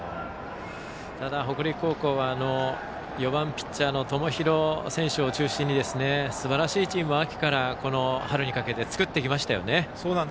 ただ北陸高校は４番ピッチャーの友廣選手を中心にすばらしいチームを秋から、この春にかけて作ってきましたよね。